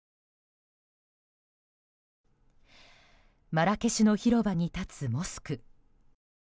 マラケシュの広場に立つモスク。